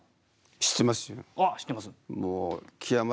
知ってますよ。